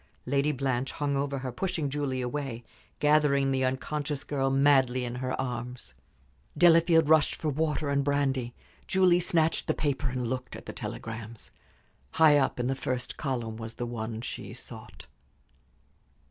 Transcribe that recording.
Lady Blanche hung over her, pushing Julie away, gathering the unconscious girl madly in her arms. Delafield rushed for water and brandy. Julie snatched the paper and looked at the telegrams. High up in the first column was the one she sought.